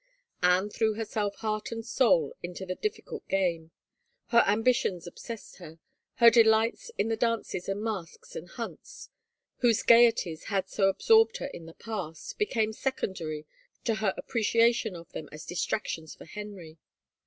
Anne threw herself heart and soul into the difficult game. Her ambitions obsessed her. Her delight in the dances and masques and hunts, whose gayeties had so absorbed her in the past, became secondary to her appre ciation of them as distractions for Henry.